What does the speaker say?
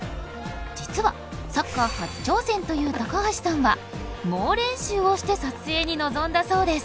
実はサッカー初挑戦という高橋さんは猛練習をして撮影に臨んだそうです